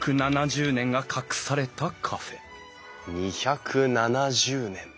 ２７０年？